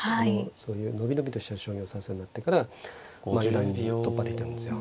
そういう伸び伸びとした将棋を指すようになってから四段に突破できたんですよ。